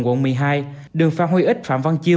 quận một mươi hai đường phan huy ích phạm văn chiêu